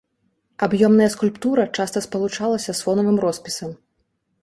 Аб'ёмная скульптура часта спалучалася з фонавым роспісам.